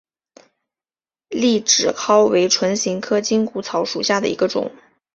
痢止蒿为唇形科筋骨草属下的一个种。